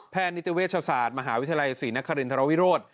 นิติเวชศาสตร์มหาวิทยาลัยศรีนครินทรวิโรธ